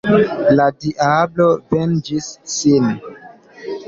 La diablo venĝis sin.